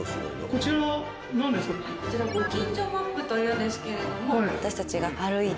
・こちらご近所マップというんですけれども。